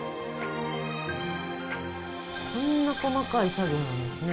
こんな細かい作業なんですね。